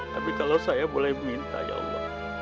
tapi kalau saya boleh minta ya allah